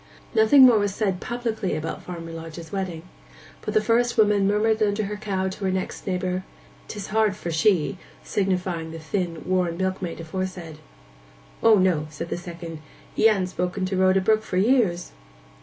Nothing more was said publicly about Farmer Lodge's wedding, but the first woman murmured under her cow to her next neighbour, ''Tis hard for she,' signifying the thin worn milkmaid aforesaid. 'O no,' said the second. 'He ha'n't spoke to Rhoda Brook for years.